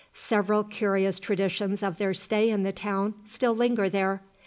Several curious traditions of their stay in the town still linger there.